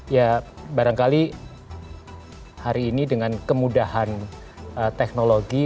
ya barangkali hari ini dengan kemudahan teknologi